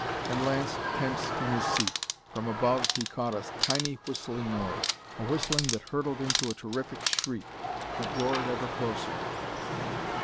And Lance tensed in his seat. From above, he caught a tiny whistling noise a whistling that hurtled into a terrific shriek that roared ever closer.